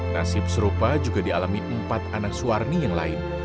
nasib serupa juga dialami empat anak suwarni yang lain